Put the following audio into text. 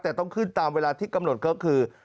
แต่ต้องขึ้นตามเวลาที่กำหนดก็คือ